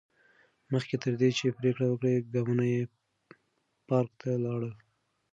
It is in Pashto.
مخکې تر دې چې پرېکړه وکړي، ګامونه یې پارک ته لاړل.